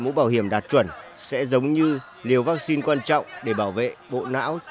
mũ bảo hiểm đạt chuẩn sẽ giống như liều vaccine quan trọng để bảo vệ bộ não